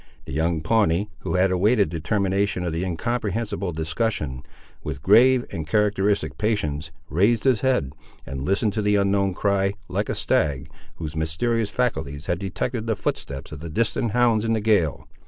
The young Pawnee, who had awaited the termination of the incomprehensible discussion, with grave and characteristic patience, raised his head, and listened to the unknown cry, like a stag, whose mysterious faculties had detected the footsteps of the distant hounds in the gale.